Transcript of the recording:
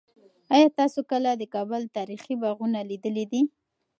آیا تاسو کله د کابل تاریخي باغونه لیدلي دي؟